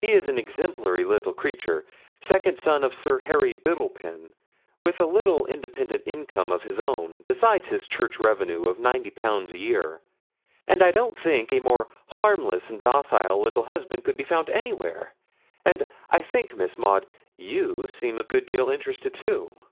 He is an exemplary little creature, second son of Sir Harry Biddlepen, with a little independent income of his own, beside his church revenues of ninety pounds a year; and I don't think a more harmless and docile little husband could be found anywhere; and I think, Miss Maud, you seemed a good deal interested, too.'